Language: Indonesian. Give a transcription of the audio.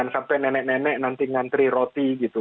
sampai nenek nenek nanti ngantri roti gitu